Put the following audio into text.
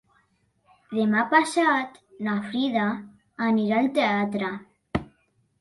Demà passat na Frida anirà al teatre.